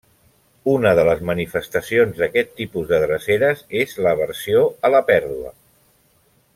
Una de les manifestacions d'aquest tipus de dreceres és l'aversió a la pèrdua.